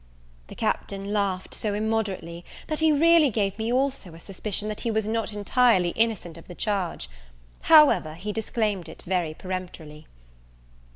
The Captain laughed so immoderately, that he really gave me also a suspicion that he was not entirely innocent of the charge: however, he disclaimed it very peremptorily.